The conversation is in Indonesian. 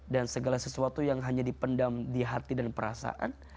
dan segala sesuatu yang hanya dipendam di hati dan perasaan